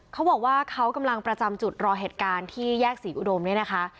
เขาบอกว่าเขากำลังประจำจุดรอเหตุการณ์ที่แยกศรีอุดมเนี่ยนะคะ